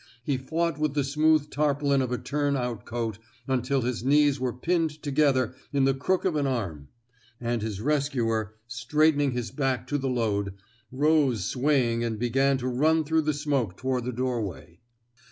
He fought with the smooth tarpaulin of a turn out coat until his knees were pinned together in the crook of an arm, and his rescuer, straighten ing his back to the load, rose swaying and be gan to run through the smoke toward the doorway.